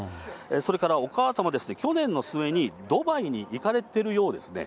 それからお母様ですね、去年の末にドバイに行かれてるようですね。